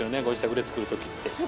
ご自宅で作るときって。